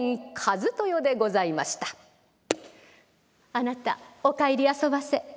「あなたお帰りあそばせ」。